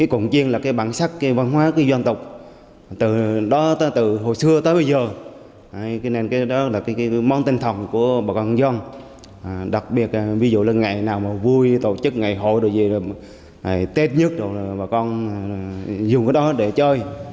cầm chiêng là bản sắc văn hóa dân dịch từ hồi xưa tới bây giờ nên đó là món tin thần của bà con dân đặc biệt là ngày nào vui tổ chức ngày hội tết nhất là bà con dùng cái đó để chơi